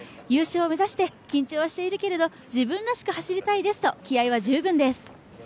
優勝を目指して緊張しているけれど、自分らしく走りたいですと気合いは十分です。